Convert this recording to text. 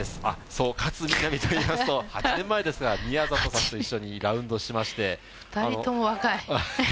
そう、勝みなみといいますと、８年前ですが、宮里さんと一緒にラウンド２人とも若い。